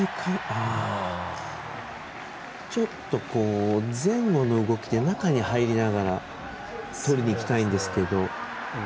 ちょっと前後の動きで中に入りながらとりにいきたいんですけど。